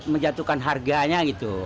menjatuhkan harganya gitu